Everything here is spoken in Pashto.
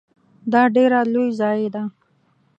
دا ډیره لوی ضایعه ده .